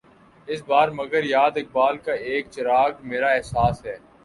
اس بار مگر یاد اقبال کا ایک چراغ، میرا احساس ہے